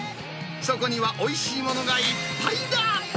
そこには、おいしいものがいっぱいだ。